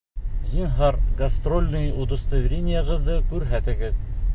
Зинһар, гастрольные удостоверениеғыҙҙы күрһәтегеҙ!